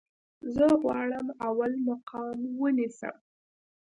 زه غواړم اول مقام ونیسم